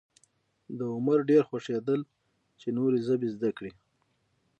د عمر ډېر خوښېدل چې نورې ژبې زده کړي.